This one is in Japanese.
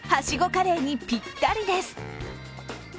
カレーにぴったりです。